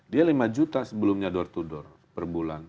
dia lima juta sebelumnya door to door perbulan